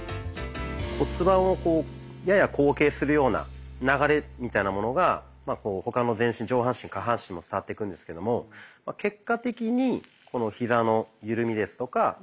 骨盤をやや後傾するような流れみたいなものが他の全身上半身下半身も伝わっていくんですけども結果的にヒザの緩みですとかかかとがよく踏めるような流れ。